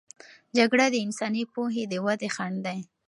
جګړه د انساني پوهې د ودې خنډ دی.